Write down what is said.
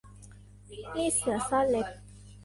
มีดเสือซ่อนเล็บ